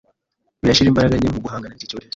birashyira imbaraga nke mu guhangana n’iki cyorezo.